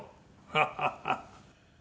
ハハハハ。